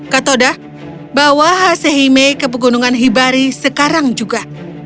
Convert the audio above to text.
katoda bawa hasehime ke pegunungan hibari sekarang juga